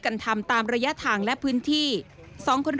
กังมมมแบ่งหน้าที่กันทำ